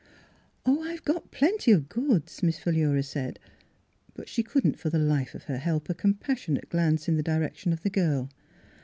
" Oh, I've got plenty of goods," Miss Philura said, but she couldn't for the life of her help a compassionate glance in the direction of the girl.